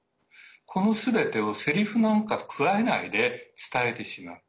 このすべてをせりふなんか加えないで伝えてしまう。